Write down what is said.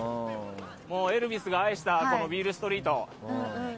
エルヴィスが愛したビールストリート。